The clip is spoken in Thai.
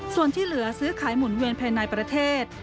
ส่วนที่เหลือซื้อขายหมุนเวียนภายในประเทศ